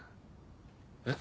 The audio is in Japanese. えっ？